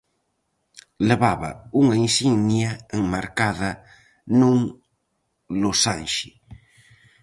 Levaba unha insignia enmarcada nun losanxe.